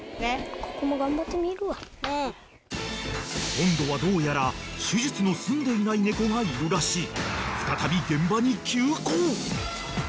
［今度はどうやら手術の済んでいない猫がいるらしい］